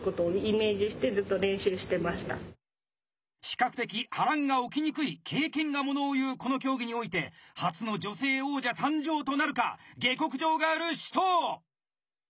比較的波乱が起きにくい経験がものをいうこの競技において初の女性王者誕生となるか⁉下克上ガール紫桃！